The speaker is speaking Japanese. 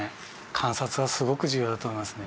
観察はすごく重要だと思いますね。